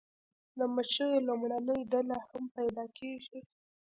د مچیو لومړنۍ ډلې هم پیدا کیږي